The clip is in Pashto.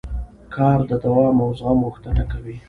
کار د دوام او زغم غوښتنه کوي